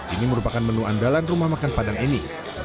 ini merupakan menu andalan rumah makan padang ini